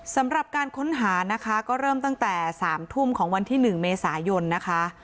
สำหรับการค้นหานะคะก็เริ่มตั้งแต่๓ทุ่มของวันที่๑เมษายนนะคะ